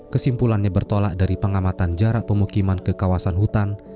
kesimpulannya bertolak dari pengamatan jarak pemukiman ke kawasan hutan